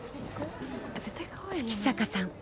月坂さん。